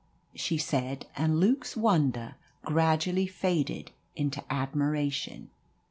she said, and Luke's wonder gradually faded into admiration.